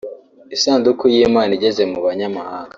Isanduku y’Imana igeze mu banyamahanga